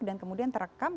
dan kemudian terekam